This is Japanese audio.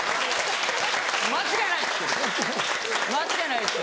間違いないです